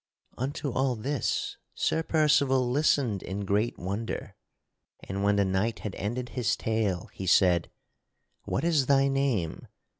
Unto all this Sir Percival listened in great wonder, and when the knight had ended his tale he said: "What is thy name?"